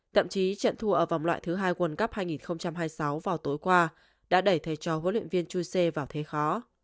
thậm chí trận thua ở vòng loại thứ hai quần cấp hai nghìn hai mươi sáu vào tối qua đã đẩy thay cho võ luyện viên chuse vào thế khó